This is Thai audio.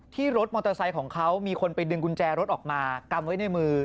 รถมอเตอร์ไซค์ของเขามีคนไปดึงกุญแจรถออกมากำไว้ในมือ